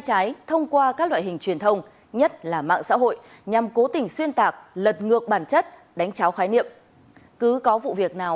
chào quý vị khán giả